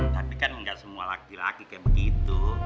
tapi kan nggak semua laki laki kayak begitu